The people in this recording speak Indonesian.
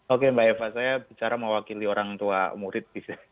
oke mbak eva saya bicara mewakili orang tua murid